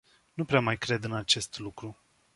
Nu prea mai cred în acest lucru.